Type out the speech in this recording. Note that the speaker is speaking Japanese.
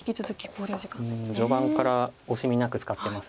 序盤から惜しみなく使ってます。